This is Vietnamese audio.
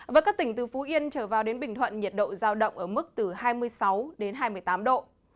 với các tỉnh từ phú yên trở vào đến bình thuận nhiệt độ giao động ở mức từ hai mươi sáu đến hai mươi tám độ